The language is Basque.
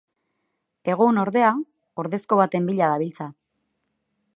Egun, ordea, ordezko baten bila dabiltza.